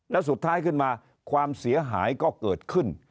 แล้วสุดท้ายขึ้นมาความเสียหายก็เกิดขึ้น